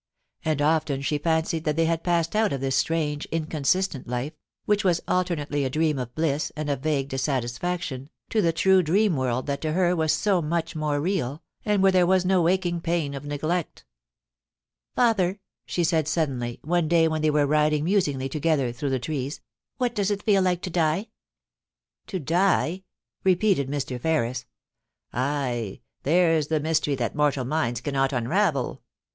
And often she fancied that they had passed out of this strange, inconsistent life, which was alternately a dream of bliss and of vague dissatisfaction, to the true dream world that to her was so much more real, and where there was no aching pain of neglect * Father,* she said suddenly, one day when they were riding musingly together through the trees, * what does it feel like to die ?I'o die 1' repeated Mr. Ferris. * Ay ! there's the mystery that mortal minds cannot unravel.